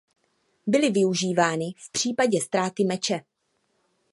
Byly využívaný v případě ztráty meče.